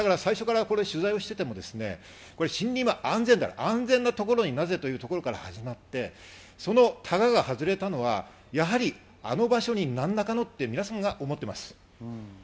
取材していても森林は安全なところになぜというところから始まってタガが外れたのは、あの場所に何らかの、と皆さんが思っています。